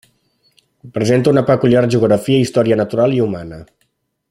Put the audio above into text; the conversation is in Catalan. Presenta una peculiar geografia i història natural i humana.